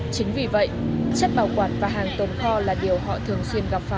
chính vì vậy chất bảo quản và hàng tồn kho là điều họ thường xuyên gặp phải